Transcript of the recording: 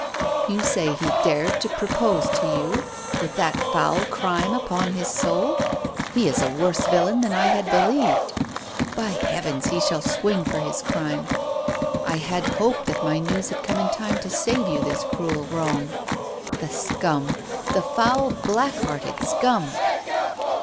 "You say he dared to propose to you with that foul crime upon his soul? He is a worse villain than I had believed. By heavens, he shall swing for his crime! I had hoped that my news had come in time to save you this cruel wrong. The scum! The foul, black hearted scum!"